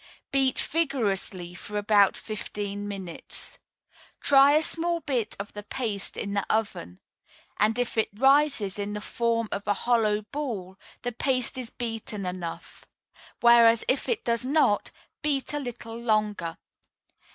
Beat vigorously for about fifteen minutes. Try a small bit of the paste in the oven; and if it rises in the form of a hollow ball, the paste is beaten enough; whereas, if it does not, beat a little longer.